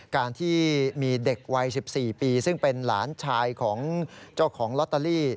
การที่มีเด็กวัย๑๔ปีซึ่งเป็นหลานชายของเจ้าของลอตเตอรี่